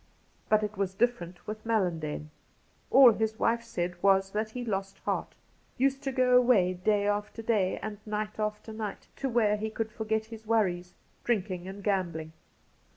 But it was different with Mallandane. All his wife said was that he lost heart; used to go away day after day and night after night to 11 162 f Cassidy where he could forget his worries — drinking and gambling.